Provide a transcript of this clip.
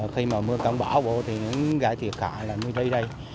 khi mà mưa cạn bỏ bộ thì gãi thiệt khỏi là mới đi đây